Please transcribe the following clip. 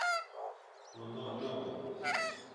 Man nav draugu!